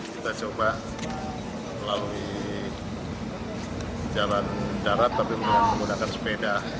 kita coba melalui jalan darat tapi dengan menggunakan sepeda